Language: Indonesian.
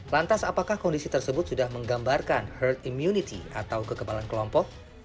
lantas apakah kondisi tersebut sudah menggambarkan herd immunity atau kekebalan kelompok